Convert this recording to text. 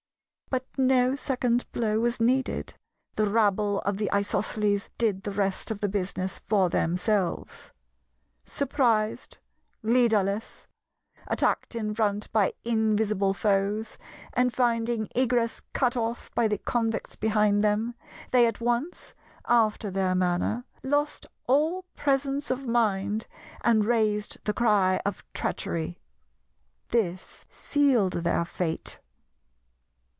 But no second blow was needed; the rabble of the Isosceles did the rest of the business for themselves. Surprised, leader less, attacked in front by invisible foes, and finding egress cut off by the Convicts behind them, they at once—after their manner—lost all presence of mind, and raised the cry of "treachery." This sealed their fate.